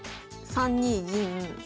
３二銀。